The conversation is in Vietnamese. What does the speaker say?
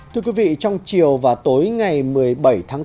thưa quý vị trong chiều và tối ngày một mươi bảy tháng bốn